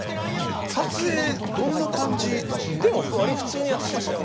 撮影どんな感じだったんですか？